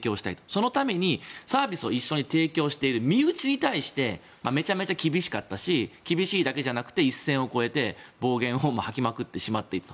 そのためにサービスを一緒に提供している身内に対してめちゃめちゃ厳しかったし厳しいだけじゃなくて一線を越えて暴言を吐きまくってしまっている。